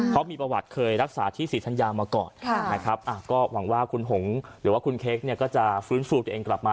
เพราะมีประวัติเคยรักษาที่ศรีธัญญามาก่อนนะครับก็หวังว่าคุณหงหรือว่าคุณเค้กเนี่ยก็จะฟื้นฟูตัวเองกลับมา